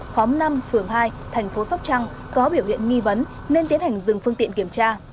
khóm năm phường hai thành phố sóc trăng có biểu hiện nghi vấn nên tiến hành dừng phương tiện kiểm tra